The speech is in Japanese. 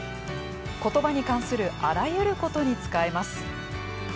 言葉に関するあらゆることに使えます。